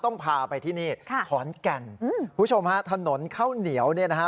พาไปที่นี่ค่ะขอนแก่นคุณผู้ชมฮะถนนข้าวเหนียวเนี่ยนะฮะ